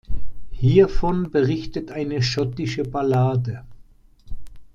Hiervon berichtet eine schottische Ballade.